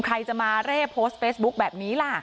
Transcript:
ใครจะมาเร่โพสต์เฟซบุ๊คแบบนี้ล่ะ